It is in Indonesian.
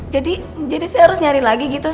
jadi jadi saya harus nyari lagi gitu sus